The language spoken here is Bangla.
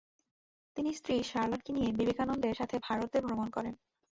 তিনি স্ত্রী শার্লোটকে নিয়ে বিবেকানন্দের সাথে ভারতে ভ্রমণ করেন।